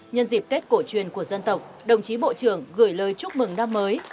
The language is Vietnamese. nhân dịp tết cổ truyền của dân tộc đồng chí bộ trưởng gửi lời chúc mừng năm mới